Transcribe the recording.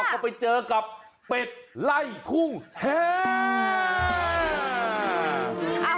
ก็ไปเจอกับเป็ดไล่ทุ่งแห้ง